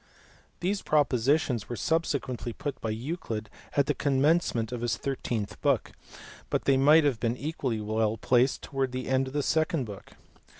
These propo sitions were subsequently put by Euclid at the commence ment of his thirteenth book, but they might have been equally well placed towards the end of the second book.